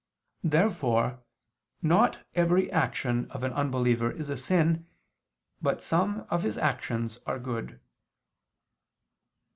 Therefore not every action of an unbeliever is a sin, but some of his actions are good.